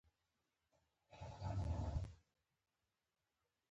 آیا د کاناډا لویدیځ د غنمو ګدام نه دی؟